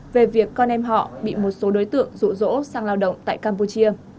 về việc con em họ bị một số đối tượng rụ rỗ sang lao động tại campuchia